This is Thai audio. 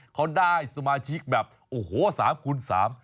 เขาได้สมาชิกแบบ๓คูณ๓